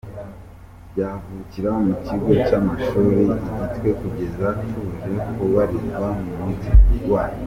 ryavukira mu kigo cy'amashuri i Gitwe kugeza tuje kubarizwa mu mujyi wa